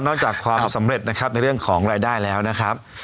จากความสำเร็จนะครับในเรื่องของรายได้แล้วนะครับ